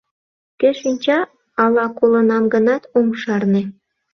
— Кӧ шинча, ала колынам гынат, ом шарне.